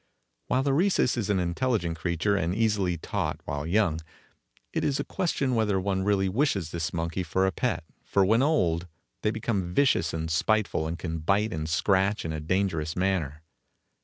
While the Rhesus is an intelligent creature and easily taught while young, it it a question whether one really wishes this monkey for a pet, for when old, they become vicious and spiteful and can bite and scratch in a dangerous manner.